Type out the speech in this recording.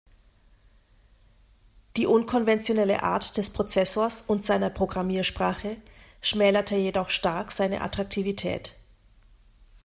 Die unkonventionelle Art des Prozessors und seiner Programmiersprache schmälerte jedoch stark seine Attraktivität.